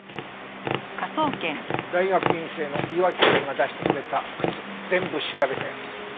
大学院生の岩城くんが出してくれた靴全部調べたよ。